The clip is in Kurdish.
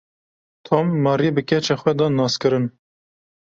Tom, Maryê bi keça xwe da naskiririn.